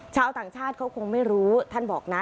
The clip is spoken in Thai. ชาวต่างชาติเขาคงไม่รู้ท่านบอกนะ